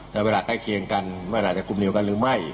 แต่เวลาใกล้เคียงกันไม่อาจจะกลุ่มเดียวกันหรือไม่